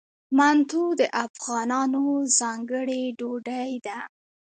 منتو د افغانانو ځانګړې ډوډۍ ده.